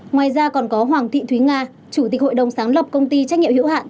ngoài ra còn có hoàng thị thúy nga chủ tịch hội đồng sáng lập công ty trách nhiệm hữu hạn